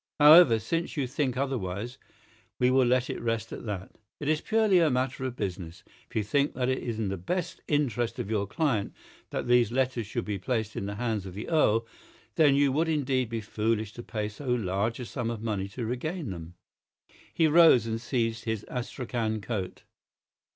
However, since you think otherwise, we will let it rest at that. It is purely a matter of business. If you think that it is in the best interests of your client that these letters should be placed in the hands of the Earl, then you would indeed be foolish to pay so large a sum of money to regain them." He rose and seized his astrachan coat.